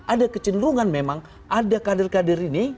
ada kecenderungan memang ada kader kader ini